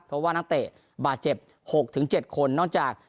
เพราะว่านักเตะบาดเจ็บ๖๗คนนอกจาก